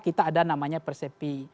kita ada namanya persepi